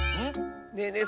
ねえねえ